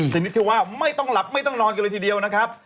ชนิดที่ว่าไม่ต้องหลับไม่ต้องนอนกันเลยทีเดียวนะครับ